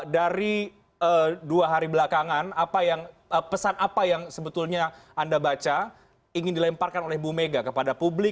dari dua hari belakangan pesan apa yang sebetulnya anda baca ingin dilemparkan oleh bu mega kepada publik